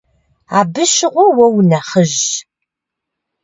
Абы щыгъуэ уэ унэхъыжьщ.